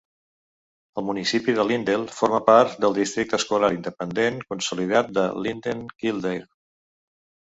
El municipi de Linden forma part del districte escolar independent consolidat de Linden-Kildare.